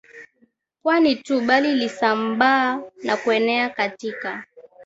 Pwani tu bali ilisambaa na kuenea katika